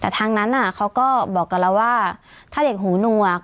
แต่ทางนั้นเขาก็บอกกับเราว่าถ้าเด็กหูหนวก